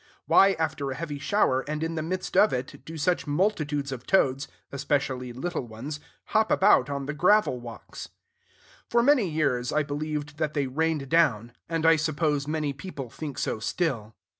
Why, after a heavy shower, and in the midst of it, do such multitudes of toads, especially little ones, hop about on the gravel walks? For many years, I believed that they rained down; and I suppose many people think so still.